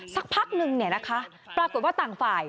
สักพักนึงปรากฏว่าต่างฝ่าย